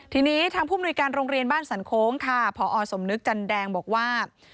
ทีนี้ทางผู้มนุยการโรงเรียนบ้านสันโค้งค่ะพอสมนึกจันแดงบอกว่า